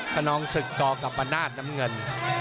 ทะนองศึกก่อกับประนาจน้ำเงิน